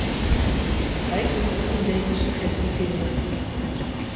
Wij kunnen ons in deze suggestie vinden.